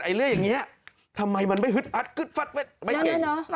ไอ้เรื่องอย่างนี้ทำไมมันไม่ฮึดอัดไม่เก่ง